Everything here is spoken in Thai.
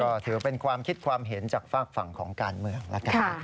ก็ถือเป็นความคิดความเห็นจากฝากฝั่งของการเมืองแล้วกัน